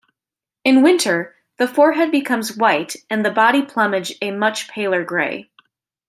In winter, the forehead becomes white and the body plumage a much paler grey.